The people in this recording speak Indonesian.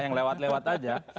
yang lewat lewat aja